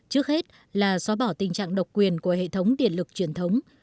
trước hết là xóa bỏ tình trạng độc quyền của hệ thống điện lực truyền thống